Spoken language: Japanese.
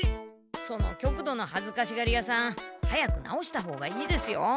その極度のはずかしがりやさん早く直したほうがいいですよ。